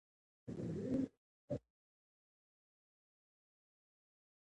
غنمو دانې درې برخې لري: جرم، بران، اندوسپرم.